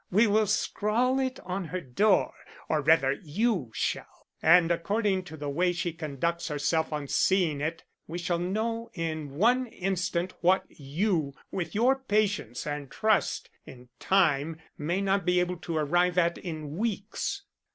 We will scrawl it on her door, or rather you shall, and according to the way she conducts herself on seeing it, we shall know in one instant what you with your patience and trust in time may not be able to arrive at in weeks."